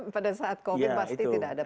pada saat covid pasti tidak ada